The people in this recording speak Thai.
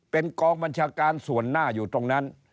เป็นกองบัญชาการส่วนหน้าอยู่ตรงนั้น